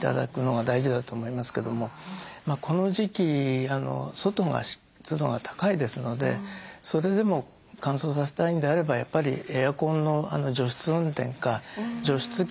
頂くのが大事だと思いますけどもこの時期外が湿度が高いですのでそれでも乾燥させたいのであればやっぱりエアコンの除湿運転か除湿機をお使い頂くのがいいと思いますね。